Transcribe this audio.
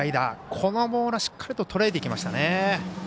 このボールはしっかりととらえていきましたね。